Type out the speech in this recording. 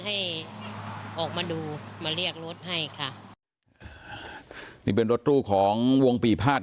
ให้ออกมาดูมาเรียกรถให้ค่ะนี่เป็นรถตู้ของวงปีภาษณ